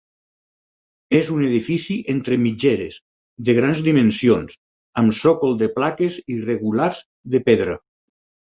És un edifici entre mitgeres, de grans dimensions, amb sòcol de plaques irregulars de pedra.